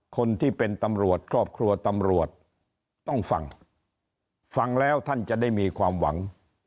คนที่เป็นตำรวจครอบครัวตำรวจต้องฟังฟังแล้วท่านจะได้มีความหวัง